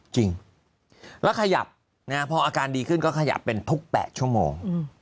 จริงแล้วขยับพออาการดีขึ้นก็ขยับเป็นทุก๘ชั่วโมง